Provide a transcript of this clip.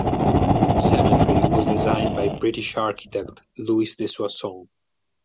Cemetery was designed by British architect Louis de Soissons.